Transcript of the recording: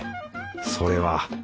それは。